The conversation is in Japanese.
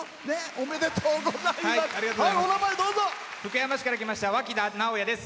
おめでとうございます。